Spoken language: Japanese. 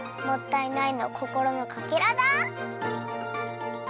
もったいないのこころのかけらだ！